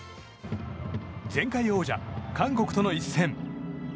前回王者・韓国との一戦。